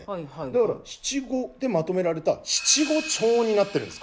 だから七五でまとめられた七五調になってるんです。